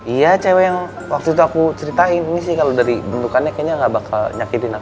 iya cewek yang waktu itu aku ceritain ini sih kalau dari bentukannya kayaknya nggak bakal nyakitin aku